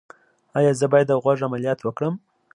ایا زه باید د غوږ عملیات وکړم؟